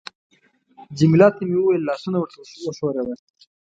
جميله ته مې وویل: لاس ورته وښوروه.